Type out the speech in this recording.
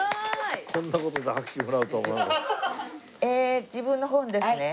ええ自分の方にですね？